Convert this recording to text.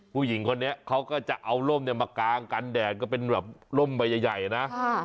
ผู้หญิงคนนี้เขาก็จะเอาร่มมากางกันแดดก็เป็นแบบร่มใบใหญ่นะ